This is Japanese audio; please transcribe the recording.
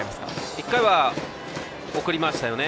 １回は送りましたよね。